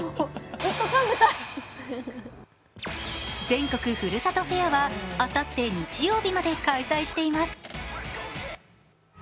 全国ふるさとフェアはあさって日曜日まで開催しています。